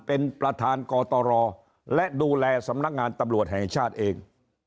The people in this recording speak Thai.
เป็นประธานกตรและดูแลสำนักงานตำรวจแห่งชาติเอง